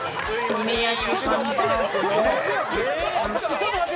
ちょっと待って！